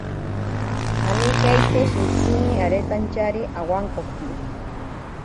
Anijeitake shintsini aretantyari awankoki.